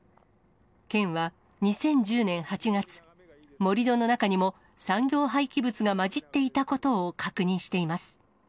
県は、２０１０年８月、盛り土の中にも産業廃棄物が混じっていたことを確認しています。